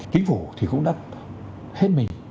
chính phủ thì cũng đã hết mình